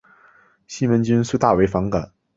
西门君遂大为反感。